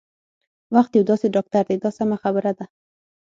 وخت یو داسې ډاکټر دی دا سمه خبره ده.